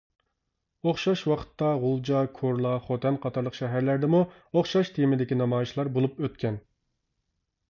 ئوخشاش ۋاقىتتا غۇلجا، كورلا، خوتەن قاتارلىق شەھەرلەردىمۇ ئوخشاش تېمىدىكى نامايىشلار بولۇپ ئۆتكەن.